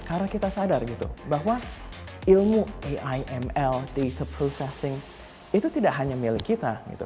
karena kita sadar gitu bahwa ilmu ai ml data processing itu tidak hanya milik kita gitu